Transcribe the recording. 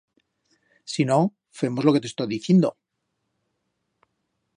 Si no, femos lo que te estó dicindo.